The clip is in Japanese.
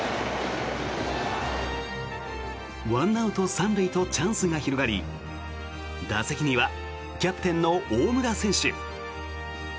１アウト３塁とチャンスが広がり打席にはキャプテンの大村選手。